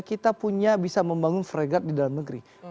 kita punya bisa membangun fregat di dalam negeri